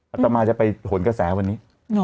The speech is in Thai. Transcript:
อตมาจะไปหนกระแสวันนี้